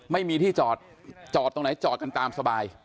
ไม่มีที่จอดจอดตรงไหนจอดกันตามสบาย